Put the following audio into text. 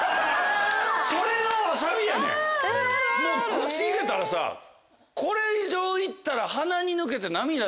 口入れたらさこれ以上行ったら。